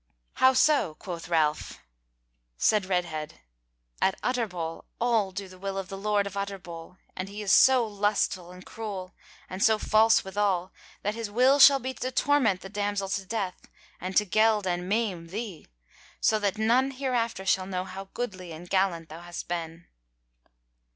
"How so?" quoth Ralph. Said Redhead: "At Utterbol all do the will of the Lord of Utterbol, and he is so lustful and cruel, and so false withal, that his will shall be to torment the damsel to death, and to geld and maim thee; so that none hereafter shall know how goodly and gallant thou hast been."